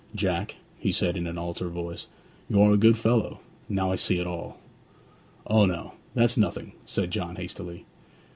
'Jack,' he said, in an altered voice, 'you are a good fellow. Now I see it all.' 'O no that's nothing,' said John hastily.